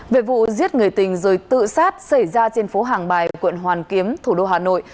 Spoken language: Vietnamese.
về vụ giết người tình rồi tự sát xảy ra trên phố hàng bài quận hoàn kiếm thủ đô hà nội